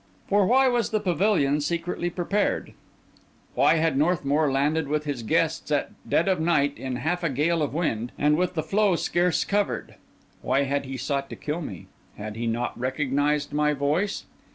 For why was the pavilion secretly prepared? Why had Northmour landed with his guests at dead of night, in half a gale of wind, and with the floe scarce covered? Why had he sought to kill me? Had he not recognised my voice?